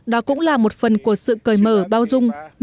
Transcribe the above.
đó cũng là một phần của sự cởi mở bao dung